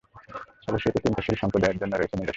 অবশ্যই এতে চিন্তাশীল সম্প্রদায়ের জন্য রয়েছে নিদর্শন।